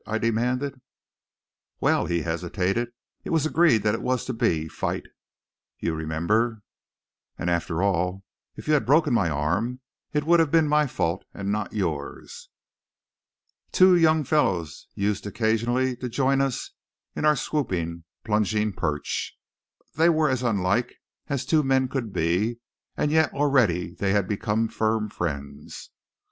I demanded. "Well" he hesitated "it was agreed that it was to be fight, you remember. And after all, if you had broken my arm, it would have been my fault and not yours." Two young fellows used occasionally to join us in our swooping, plunging perch. They were as unlike as two men could be, and yet already they had become firm friends.